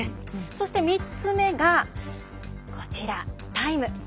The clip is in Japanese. そして、３つ目がタイム。